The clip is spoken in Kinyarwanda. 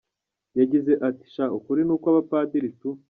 Yagize ati: “Sha ukuri ni ukw’abapadiri tu.